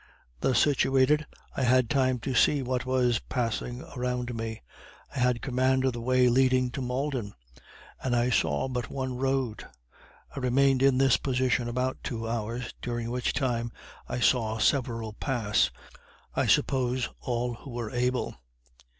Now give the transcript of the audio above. Thus situated, I had time to see what was passing around me. I had command of the way leading to Malden; and I saw but one road. I remained in this position about two hours, during which time I saw several pass I suppose all who were able.